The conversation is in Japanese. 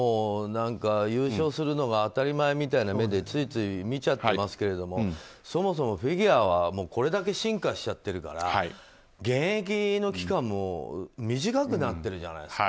優勝するのが当たり前みたいな目でついつい見ちゃってますけどそもそもフィギュアはこれだけ進化しちゃってるから現役の期間も短くなってるじゃないですか。